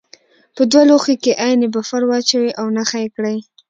په دوه لوښو کې عین بفر واچوئ او نښه یې کړئ.